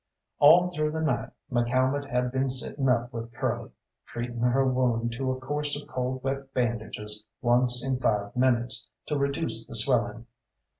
All through the night McCalmont had been sitting up with Curly, treating her wound to a course of cold wet bandages once in five minutes to reduce the swelling.